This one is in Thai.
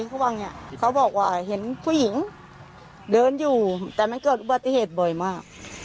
เขาบอกว่าเห็นผู้หญิงเดินอยู่แต่มันเกิดอุบัติเหตุบ่อยมาก